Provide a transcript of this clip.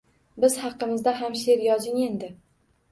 Biz haqimizda ham she’r yozing endi…